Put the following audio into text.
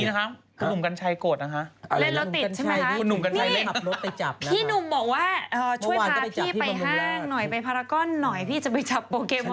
พี่จะไปจับโปรแกรมอน